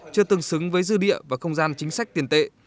chưa tương xứng với dư địa và không gian chính sách tiền tệ